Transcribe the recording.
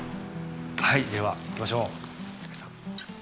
はいではいきましょう。